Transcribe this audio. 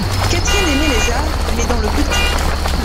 Catherine aimait les arts, mais dans le petit.